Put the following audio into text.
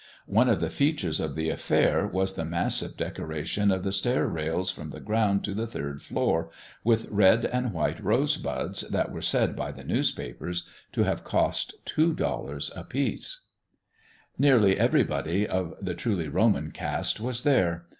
One of the features of the affair was the massive decoration of the stair rails from the ground to the third floor with red and white rose buds that were said by the newspapers to have cost two dollars each. Nearly everybody of the truly Roman caste was there.